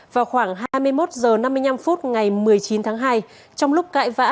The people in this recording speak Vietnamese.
vào khoảng hai mươi một h năm mươi năm phút ngày một mươi chín tháng hai trong lúc cãi vã